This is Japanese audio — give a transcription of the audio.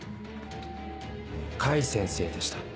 甲斐先生でした。